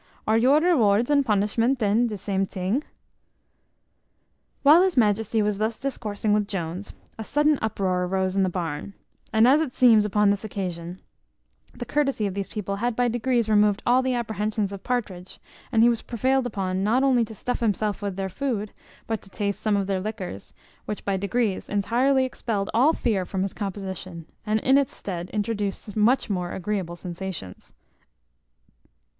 Are your rewards and punishments den de same ting?" While his majesty was thus discoursing with Jones, a sudden uproar arose in the barn, and as it seems upon this occasion: the courtesy of these people had by degrees removed all the apprehensions of Partridge, and he was prevailed upon not only to stuff himself with their food, but to taste some of their liquors, which by degrees entirely expelled all fear from his composition, and in its stead introduced much more agreeable sensations.